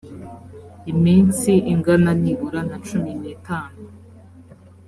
iminsi ingana nibura na cumi n itanu